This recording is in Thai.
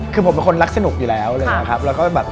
คือผมเป็นคนรักสนุกอยู่แล้วเลยนะครับ